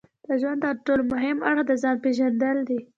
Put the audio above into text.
د ژوند ترټولو مهم اړخ د ځان پېژندل دي.